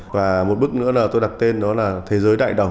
và một bức nữa là tôi đặt tên đó là thế giới đại đồng